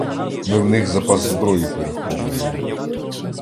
Ми в них запас зброї переховуємо.